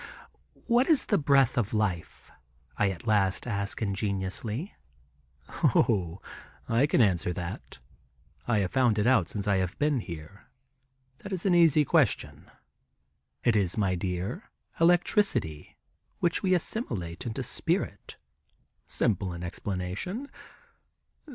"What is the breath of life?" I at last ask ingenuously. "Oh, I can answer that. I have found it out since I have been here. That is an easy question. It is, my dear, electricity, which we assimilate into spirit. Simple in explanation.